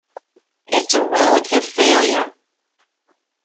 It's a relative failure.